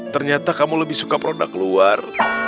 ternyata kamu lebih suka produk luar